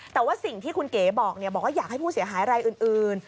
แต่ว่าสิ่งที่คุณเก๋บอกบอกว่าอยากให้ผู้เสียหายรายอื่น